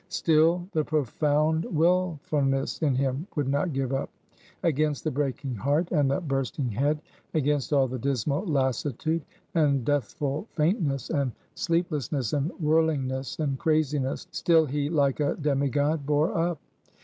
Still, the profound willfulness in him would not give up. Against the breaking heart, and the bursting head; against all the dismal lassitude, and deathful faintness and sleeplessness, and whirlingness, and craziness, still he like a demigod bore up.